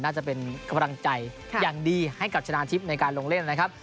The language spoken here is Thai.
น่าจะเป็นกำลังใจอย่างดีให้กับชนะทิพย์ในการลงเล่นนะครับ